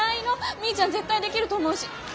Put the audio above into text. みーちゃん絶対できると思うし。ね？